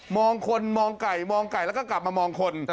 มองคนมองไก่มองไก่แล้วก็กลับมามองคน